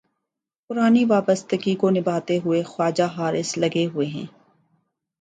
پرانی وابستگی کو نبھاتے ہوئے خواجہ حارث لگے ہوئے ہیں۔